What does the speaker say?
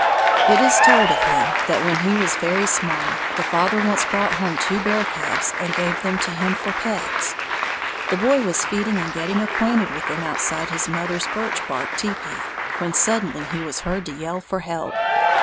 It is told of him that when he was very small, the father once brought home two bear cubs and gave them to him for pets. The Boy was feeding and getting acquainted with them outside his mother's birch bark teepee, when suddenly he was heard to yell for help.